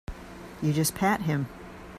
You just pat him.